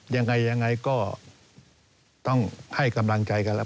ยังไงยังไงก็ต้องให้กำลังใจกันแล้ว